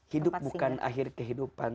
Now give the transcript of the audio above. hidup bukan akhir kehidupan